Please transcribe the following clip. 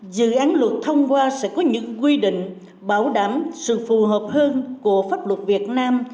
dự án luật thông qua sẽ có những quy định bảo đảm sự phù hợp hơn của pháp luật việt nam